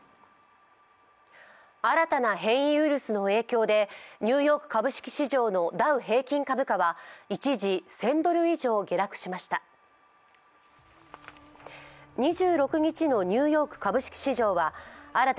新たな変異ウイルスの影響でニューヨーク株式市場のダウ平均株価は一時１０００ドル以上下落しました。